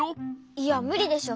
いやむりでしょ。